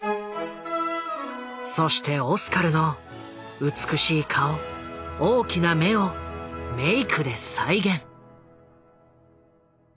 そしてオスカルの美しい顔大きな目をメイクで再現。